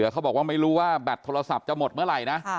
เขาบอกว่าไม่รู้ว่าแบตโทรศัพท์จะหมดเมื่อไหร่นะ